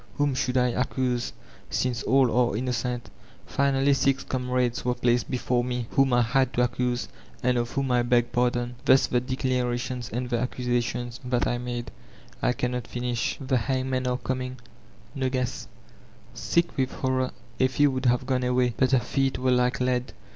Whom should I accuse since all are innocent? Finally six comrades were placed before me» whom I had to accuse, and of whom I beg pardon. Thus the declarations and the accusations that I made. ... I cannot finish ; the hangmen are coming. Nogu^.'' Sick with horror Effie would have gone away, but her feet were like lead.